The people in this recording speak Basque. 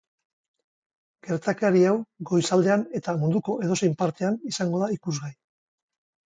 Gertakari hau goizaldean eta munduko edozein partean izango da ikusgai.